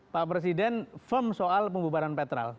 pak presiden firm soal pembubaran petrol